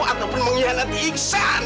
ataupun mengkhianati iksan